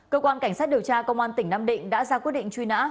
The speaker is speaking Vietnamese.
cơ quan cảnh sát điều tra công an tỉnh nam định đã ra quyết định truy nã